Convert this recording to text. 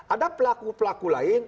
ada pelaku pelaku lain